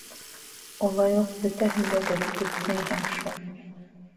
— Улай уҡ бөтәһен дә белеп бөтмәйһең шул.